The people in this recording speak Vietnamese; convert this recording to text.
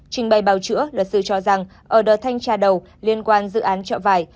trình bày báo chữa đợt sư cho rằng ở đợt thanh tra đầu liên quan dự án chợ vay